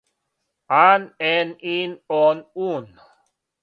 ан ен ин он ун